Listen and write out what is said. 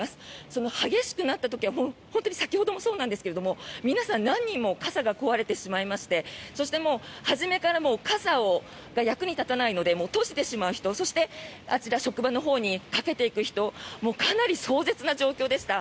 その激しくなった時は本当に先ほどもそうなんですが皆さん、何人も傘が壊れてしまいましてそして初めから傘が役に立たないので閉じてしまう人そして、あちら職場のほうに駆けていく人かなり壮絶な状況でした。